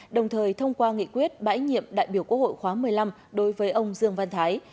đồng thời thông qua nghị quyết bãi nhiệm đại biểu quốc hội khóa một mươi năm đối với ông dương văn thái